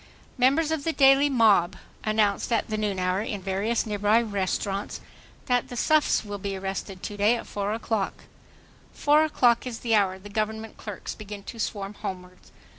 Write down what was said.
Members of the daily mob announced at the noon hour in various nearby restaurants that "the suffs will be arrested to day at 4 o'clock." Four o'clock is the hour the Government clerks begin to swarm homewards.